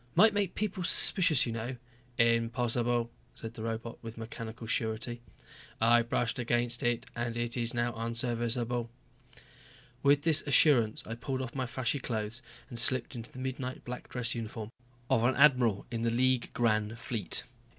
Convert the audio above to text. "Might make people suspicious, you know." "Impossible," the robot said with mechanical surety. "I brushed against it and it is now unserviceable." With this assurance I pulled off my flashy clothes and slipped into the midnight black dress uniform of an admiral in the League Grand Fleet.